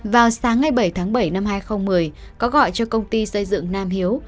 vào sáng ngày bảy tháng bảy năm hai nghìn một mươi có gọi cho công ty xây dựng nam hiếu